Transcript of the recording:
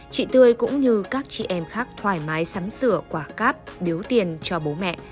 chị tươi cũng như các chị em khác thoải mái sắm sửa quả cáp điếu tiền cho bố mẹ